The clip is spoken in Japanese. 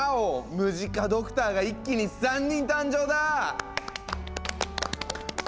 ムジカドクターが一気に３人誕生だ！